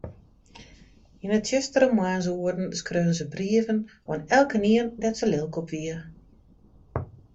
Yn 'e tsjustere moarnsoeren skreau se brieven oan elkenien dêr't se lilk op wie.